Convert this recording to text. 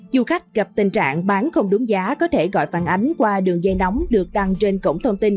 du khách gặp tình trạng bán không đúng giá có thể gọi phản ánh qua đường dây nóng được đăng trên cổng thông tin